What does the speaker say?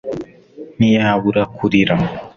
Ntiyabura kurira